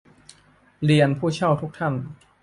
เรียน ผู้เช่าทุกท่าน